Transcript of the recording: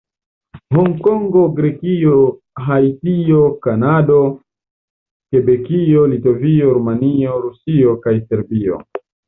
Honkongo, Grekio, Haitio, Kanado, Kebekio, Litovio, Rumanio, Rusio kaj Serbio.